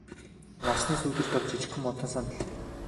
Нарсны сүүдэр дор жижигхэн модон сандал.